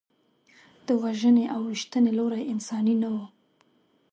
د وژنې او ویشتنې لوری انساني نه و.